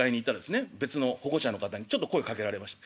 別の保護者の方にちょっと声かけられまして。